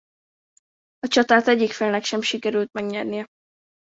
A csatát egyik félnek sem sikerült megnyernie.